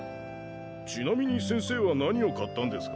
ちなみに先生は何を買ったんですか？